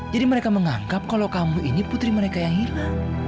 jadi mereka menganggap kalau kamu ini putri mereka yang hilang